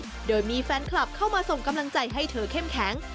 ด้วยมีแฟนคลับเข้ามาส่งกำลังใจให้เธอเข้มแข็ง